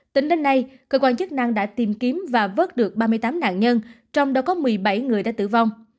tính đến nay cơ quan chức năng đã tìm kiếm và vớt được ba mươi tám nạn nhân trong đó có một mươi bảy người đã tử vong